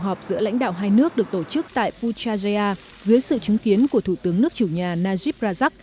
họp giữa lãnh đạo hai nước được tổ chức tại puchaya dưới sự chứng kiến của thủ tướng nước chủ nhà najib rajak